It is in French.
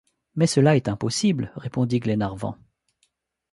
Mais cela est impossible! répondit Glenarvan.